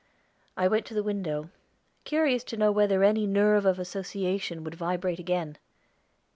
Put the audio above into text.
I went to the window, curious to know whether any nerve of association would vibrate again.